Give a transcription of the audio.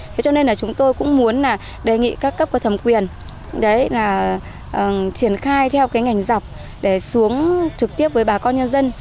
thế cho nên là chúng tôi cũng muốn đề nghị các cấp của thẩm quyền triển khai theo cái ngành dọc để xuống trực tiếp với bà con nhân dân